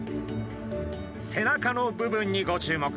背中の部分にご注目。